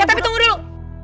ya tapi tunggu dulu